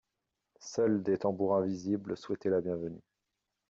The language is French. Seuls des tambours invisibles souhaitaient la bienvenue.